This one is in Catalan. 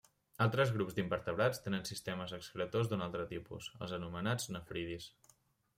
Altres grups d’invertebrats tenen sistemes excretors d’un altre tipus, els anomenats nefridis.